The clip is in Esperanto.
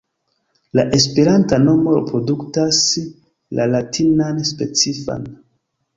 La esperanta nomo reproduktas la latinan specifan.